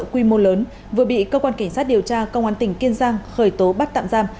quy mô lớn vừa bị cơ quan cảnh sát điều tra công an tỉnh kiên giang khởi tố bắt tạm giam